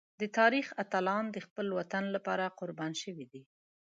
د تاریخ اتلان د خپل وطن لپاره قربان شوي دي.